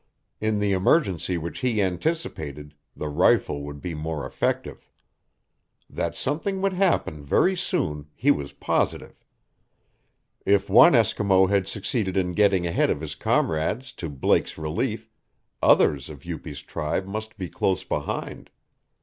In the emergency which he anticipated the rifle would be more effective. That something would happen very soon he was positive. If one Eskimo had succeeded in getting ahead of his comrades to Blake's relief others of Upi's tribe must be close behind.